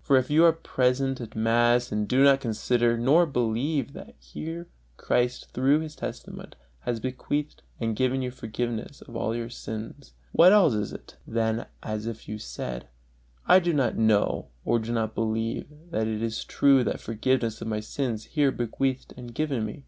For if you are present at mass and do not consider nor believe that here Christ through His testament has bequeathed and given you forgiveness of all your sins, what else is it, than as if you said: "I do not know or do not believe that it is true that forgiveness of my sins is here bequeathed and given me"?